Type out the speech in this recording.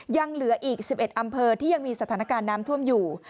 ยังเหลืออีก๑๑อำเภอที่ยังมีสถานการณ์น้ำท่วมอยู่